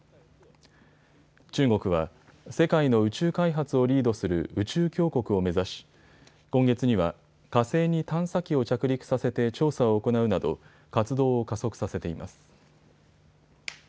中国は世界の宇宙開発をリードする宇宙強国を目指し今月には火星に探査機を着陸させて調査を行うなど活動を加速させています。